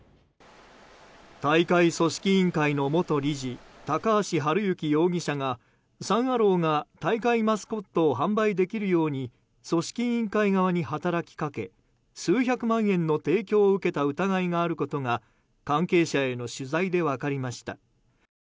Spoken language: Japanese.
大会組織委員会の元理事高橋治之容疑者がサン・アローが大会マスコットを販売できるように組織委員会側に働きかけ数百万円の提供を受けた疑いがあることが関係者への取材で分かりました。